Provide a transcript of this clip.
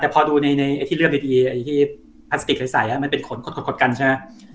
พอดูที่เลื่อมดีไอ้ที่พาสติกใส่มันเป็นขนขอดก่อนใช่มะ